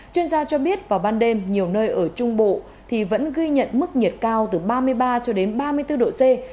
chuyên gia cho biết vào ban đêm nhiều nơi ở trung bộ thì vẫn ghi nhận mức nhiệt cao từ ba mươi ba cho đến ba mươi bốn độ c